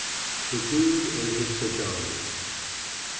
THE DUDE AND HIS PAJAMAS.